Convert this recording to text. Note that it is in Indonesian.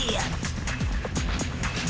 kami berjanji lampir